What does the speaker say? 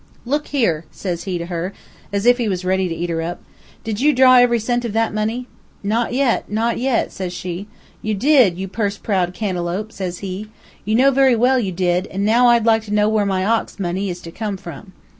'Look' here!' says he to her, as if he was ready to eat her up. 'Did you draw every cent of that money?' 'Not yet, not yet,' says she. 'You did, you purse proud cantalope,' says he. 'You know very well you did, an' now I'd like to know where my ox money is to come from.'